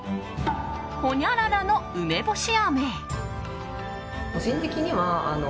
ほにゃららの梅干し飴。